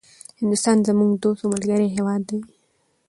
هندوستان زموږ دوست او ملګری هيواد ده